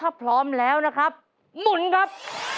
ถ้าพร้อมแล้วนะครับหมุนครับ